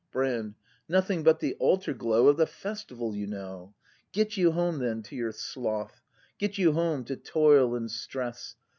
Brand. Nothing but the altar glow Of the Festival you know. Get you home then to your sloth. Get you home to toil and stress.